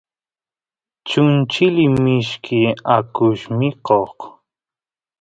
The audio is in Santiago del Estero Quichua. chunchilli mishki akush mikoq